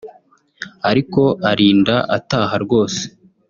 ariko arinda ataha rwose